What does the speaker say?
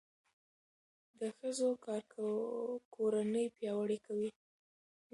د ښځو کار کورنۍ پیاوړې کوي.